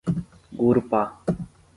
Gurupá